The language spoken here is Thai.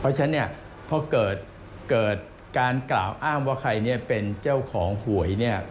เพราะฉะนั้นพอเกิดการกล่าวอ้างว่าใครเป็นเจ้าของหวย